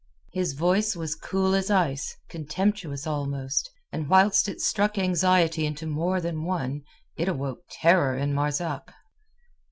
His voice was cool as ice, contemptuous almost, and whilst it struck anxiety into more than one it awoke terror in Marzak.